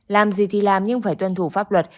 làm gì thì làm nhưng phải tuân thủ pháp luật